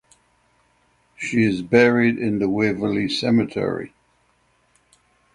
She is buried in the Waverly cemetery.